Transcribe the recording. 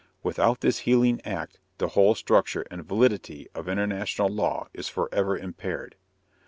Without this healing act the whole structure and validity of international law is forever impaired.